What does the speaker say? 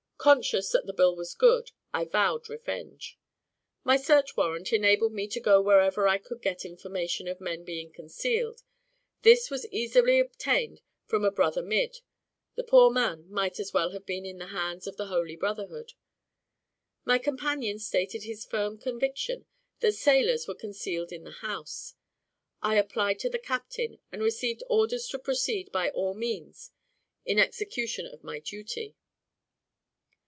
Conscious that the bill was good, I vowed revenge. My search warrant enabled me to go wherever I could get information of men being concealed this was easily obtained from a brother mid (the poor man might as well have been in the hands of the holy brotherhood). My companion stated his firm conviction that sailors were concealed in the house; I applied to the captain, and received orders to proceed by all means in execution of my duty.